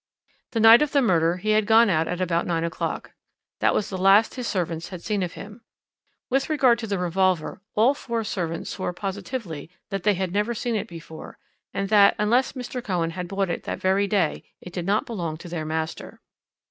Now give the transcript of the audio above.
"The night of the murder he had gone out at about nine o'clock. That was the last his servants had seen of him. With regard to the revolver, all four servants swore positively that they had never seen it before, and that, unless Mr. Cohen had bought it that very day, it did not belong to their master.